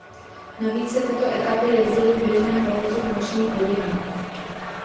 Navíc se tyto etapy jezdily v běžném provozu v nočních hodinách.